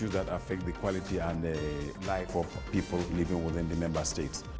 hal yang mengakui kualitas dan kehidupan orang yang hidup di negara negara